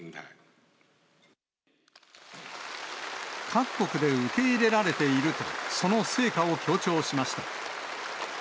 各国で受け入れられているとその成果を強調しました。